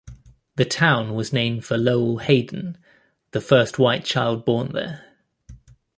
The town was named for Lowell Hayden, the first white child born there.